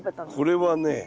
これはね